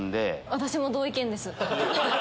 私も同意見です。